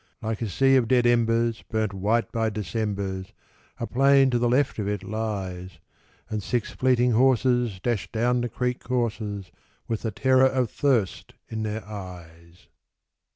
Like a sea of dead embers, burnt white by Decembers, A plain to the left of it lies; And six fleeting horses dash down the creek courses With the terror of thirst in their eyes.